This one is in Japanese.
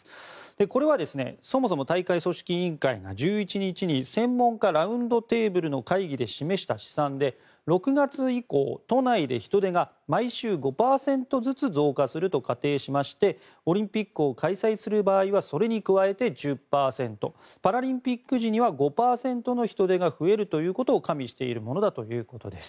これはそもそも大会組織委員会が１１日に専門家ラウンドテーブルの会議で示した試算で６月以降、都内で人出が毎週５％ずつ増加すると仮定しましてオリンピックを開催する場合はそれに加えて１０％パラリンピック時には５％の人出が増えるということを加味しているものだということです。